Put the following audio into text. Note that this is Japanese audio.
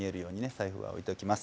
財布は置いておきます。